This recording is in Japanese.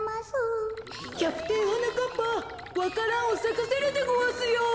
キャプテンはなかっぱわか蘭をさかせるでごわすよ。